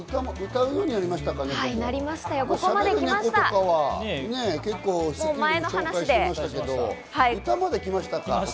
歌まで来ましたか。